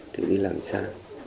thì đi làm xa